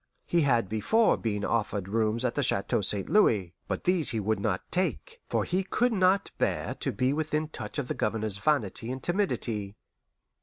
He had before been offered rooms at the Chateau St. Louis; but these he would not take, for he could not bear to be within touch of the Governor's vanity and timidity.